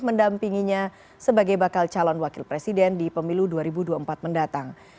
mendampinginya sebagai bakal calon wakil presiden di pemilu dua ribu dua puluh empat mendatang